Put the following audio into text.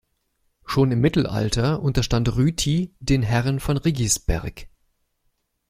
Schon im Mittelalter unterstand Rüti den Herren von Riggisberg.